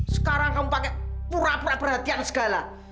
sekarang kamu pakai pura pura perhatian segala